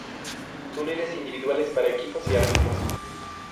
Túneles individuales para equipos y árbitros.